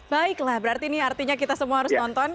baiklah berarti ini artinya kita semua harus nonton